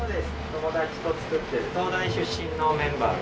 友達と作ってる東大出身のメンバーが。